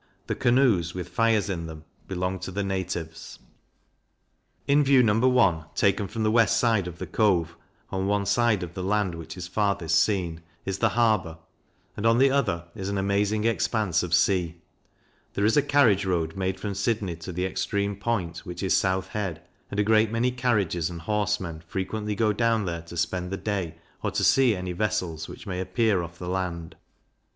The Canoes, with fires in them, belong to the natives. In View, No. I. taken from the West side of the Cove, on one side of the land which is farthest seen, is the Harbour; and on the other, is an amazing expanse of sea. There is a carriage road made from Sydney to the extreme point, which is South Head, and a great many carriages and horsemen frequently go down there to spend the day, or to see any vessels which may appear off the land.